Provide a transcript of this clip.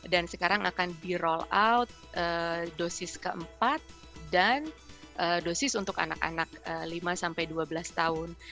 dan sekarang akan di roll out dosis keempat dan dosis untuk anak anak lima sampai dua belas tahun